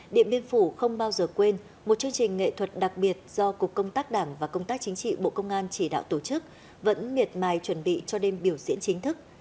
điện biên phủ không bao giờ quên một chương trình nghệ thuật đặc biệt do cục công tác đảng và công tác chính trị bộ công an chỉ đạo tổ chức vẫn miệt mài chuẩn bị cho đêm biểu diễn chính thức